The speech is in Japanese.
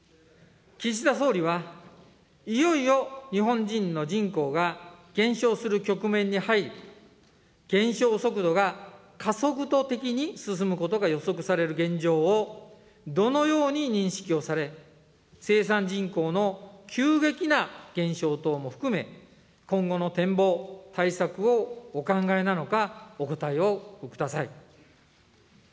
岸田総理は、いよいよ日本人の人口が減少する局面に入り、減少速度が加速度的に進むことが予測される現状を、どのように認識をされ、生産人口の急激な減少等も含め、今後の展望・対策をお考えなのか、お答えをください。